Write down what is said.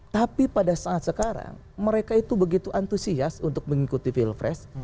tapi pada saat sekarang mereka itu begitu antusias untuk mengikuti pilpres